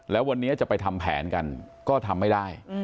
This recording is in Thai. แล้ววันนี้จะไปทำแผนกันก็ทำไม่ได้